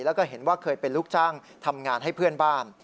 แล้วก็เห็นว่าเคยเป็นลูกจ้างทำงานให้เพื่อนบ้าน